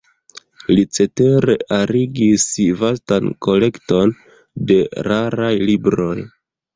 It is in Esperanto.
Li cetere arigis vastan kolekton de raraj libroj.